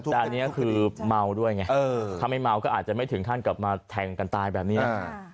แต่อันนี้คือเมาด้วยไงถ้าไม่เมาก็อาจจะไม่ถึงขั้นกลับมาแทงกันตายแบบนี้